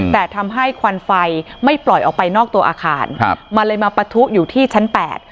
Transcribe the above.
แต่ทำให้ควันไฟไม่ปล่อยออกไปนอกตัวอาคารครับมันเลยมาปะทุอยู่ที่ชั้นแปด